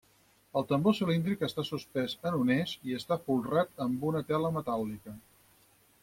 El tambor cilíndric està suspès en un eix i està folrat amb una tela metàl·lica.